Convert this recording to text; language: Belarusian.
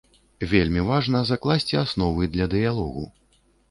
Вельмі важна закласці асновы для дыялогу.